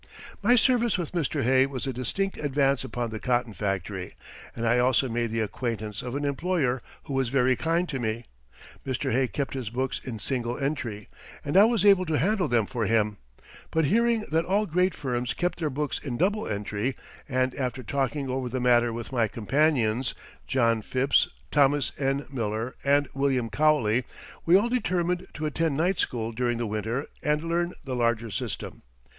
My service with Mr. Hay was a distinct advance upon the cotton factory, and I also made the acquaintance of an employer who was very kind to me. Mr. Hay kept his books in single entry, and I was able to handle them for him; but hearing that all great firms kept their books in double entry, and after talking over the matter with my companions, John Phipps, Thomas N. Miller, and William Cowley, we all determined to attend night school during the winter and learn the larger system.